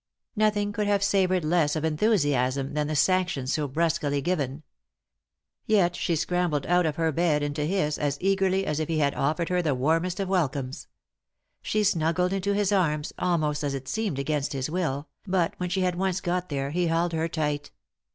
Nothing could have savoured less of enthusiasm than the sanction so brusquely given. Yet she scrambled out of her bed into his as eagerly as if he had offered her the warmest of welcomes. She snuggled into his arms almost as it seemed against his will, but when she had once got there he held her tight.